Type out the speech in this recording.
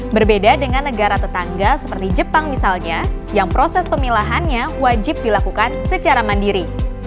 berbeda dengan negara tetangga seperti jepang misalnya yang proses pemilahannya wajib dilakukan secara mandiri